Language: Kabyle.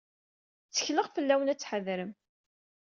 Ttekleɣ fell-awen ad tḥedṛem.